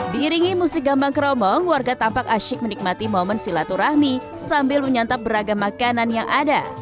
diiringi musik gambang kromong warga tampak asyik menikmati momen silaturahmi sambil menyantap beragam makanan yang ada